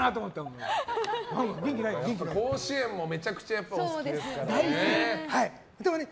甲子園もめちゃくちゃお好きですもんね。